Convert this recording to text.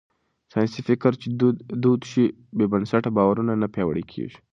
ساينسي فکر چې دود شي، بې بنسټه باورونه نه پياوړي کېږي.